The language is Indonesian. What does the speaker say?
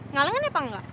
ngalengan apa enggak